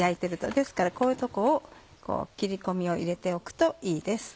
ですからこういうとこを切り込みを入れておくといいです。